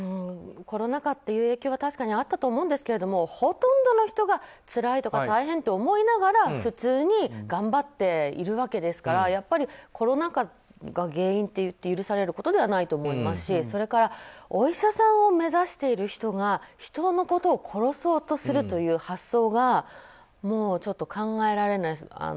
コロナ禍っていう影響は確かにあったと思うんですけどほとんどの人がつらいとか大変だと思いながら普通に頑張っているわけですからやっぱりコロナ禍が原因といって許されることではないと思いますし、それからお医者さんを目指している人が人のことを殺そうとするという発想がもう、ちょっと考えられない。